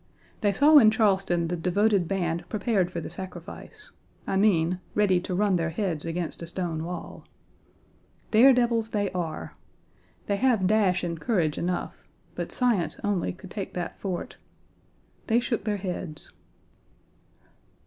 They saw in Charleston the devoted band prepared for the sacrifice; I mean, ready to run their heads against a stone wall. Dare devils they are. They have dash and courage enough, but science only could take that fort. They shook their heads.